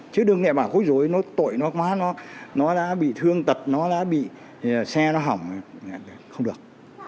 chứ đừng để bảo khối rối nó tội nó quá nó đã bị thương tật nó đã bị xe nó hỏng không được